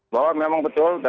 bahwa memang betul